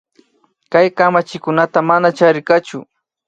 Kay kamachikunata mana charirkachu